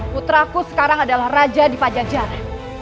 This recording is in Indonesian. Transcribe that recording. putraku sekarang adalah raja di pajak jalan